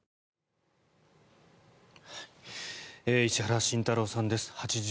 石原慎太郎さんです。